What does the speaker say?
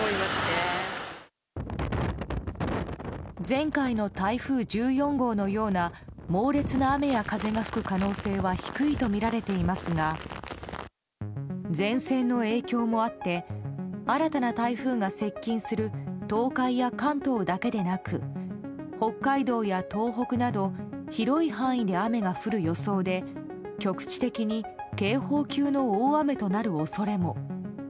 前回の台風１４号のような猛烈な雨や風が吹く可能性は低いとみられていますが前線の影響もあって新たな台風が接近する東海や関東だけでなく北海道や東北など広い範囲で雨が降る予想で局地的に警報級の大雨となる恐れも。